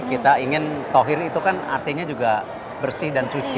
kita ingin tohir itu kan artinya juga bersih dan suci